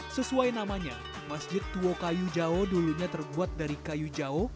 sesuai namanya masjid tua kayu jawa dulunya terbuat dari kayu jawa